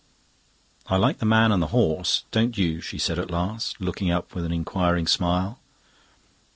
"I like the man and the horse; don't you?" she said at last, looking up with an inquiring smile.